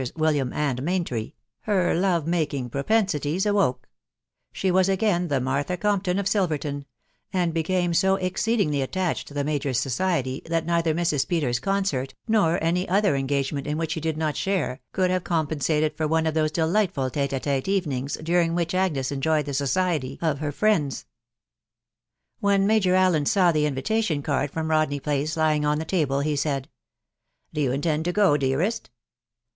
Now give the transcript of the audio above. William and Maintry, her loving making propensities awoke; she was again the Martha Compton of Silrerton ; sad hettne so exceedingly attached to the majors society, diat neither Mrs. Peters's concert, nor any other engagement In which he did not share, could have compensated for one of those dehght fu\ t£te & t$te evenings during which Agnes enjoyed die society of her friends. When Major Allen saw the invitation card frcqa Bofljaef I Place lying on the table, he said, —" Do you intend to go, dearest?"